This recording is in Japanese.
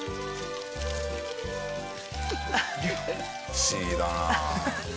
不思議だな。